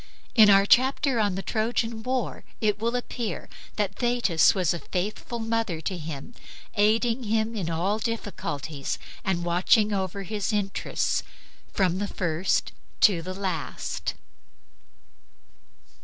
In our chapter on the Trojan war it will appear that Thetis was a faithful mother to him, aiding him in all difficulties, and watching over his interests from the first to the last.